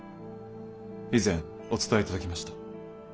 以前お伝え頂きました。